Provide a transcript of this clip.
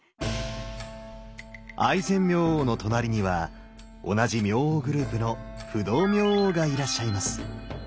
愛染明王の隣には同じ明王グループの不動明王がいらっしゃいます。